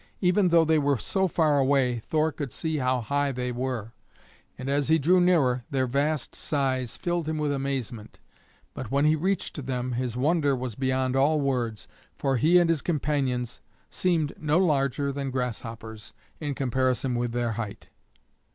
Even though they were so far away, Thor could see how high they were; and as he drew nearer, their vast size filled him with amazement; but when he reached them his wonder was beyond all words, for he and his companions seemed no larger than grasshoppers, in comparison with their height.